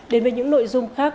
đến với những nội dung khác